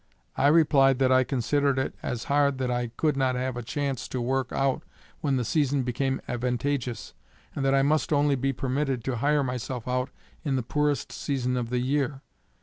I replied that I considered it as hard that I could not have a chance to work out when the season became advantageous, and that I must only be permitted to hire myself out in the poorest season of the year.